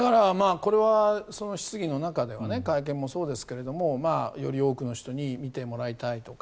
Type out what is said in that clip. これは質疑の中では会見もそうですがより多くの人に見てもらいたいとか